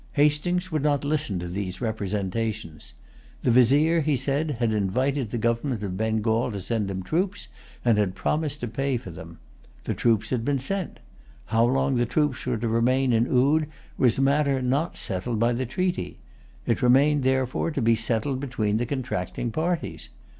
Hastings would not listen to these representations. The Vizier, he said, had invited the government of Bengal to send him troops, and had promised to pay for them. The troops had been sent. How long the troops were to remain in Oude was a matter not settled by the treaty. It remained, therefore, to be settled between the contracting parties.